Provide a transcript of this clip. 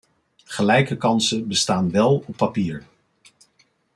Gelijke kansen bestaan wel op papier.